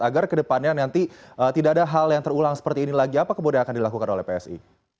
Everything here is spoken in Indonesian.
agar kedepannya nanti tidak ada hal yang terulang seperti ini lagi apa kemudian akan dilakukan oleh psi